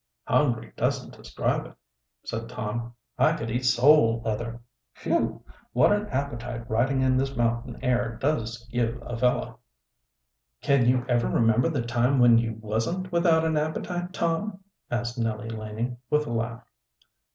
"Hungry doesn't describe it," said Tom. "I could eat sole leather. Phew! what an appetite riding in this mountain air does give a fellow!" "Can you ever remember the time when you wasn't without an appetite, Tom?" asked Nellie Laning, with a laugh.